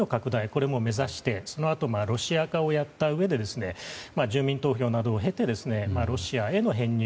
これも目指してロシア化をやったうえで住民投票などを経てロシアへの編入